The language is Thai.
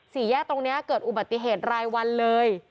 สี่แยกตรงนี้เกิดอุบัติเหตุรายวันเลย